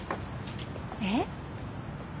えっ？